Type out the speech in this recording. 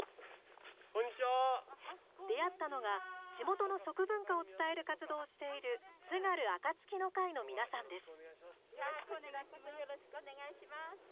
出会ったのが、地元の食文化を伝える活動をしている津軽あかつきの会の皆さんです。